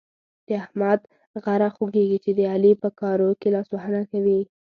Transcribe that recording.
د احمد غره خوږېږي چې د علي په کارو کې لاسوهنه کوي.